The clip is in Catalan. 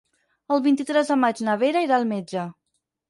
El vint-i-tres de maig na Vera irà al metge.